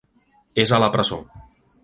És a la presó.